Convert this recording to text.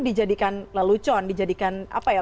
dijadikan lelucon dijadikan